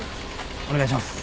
お願いします。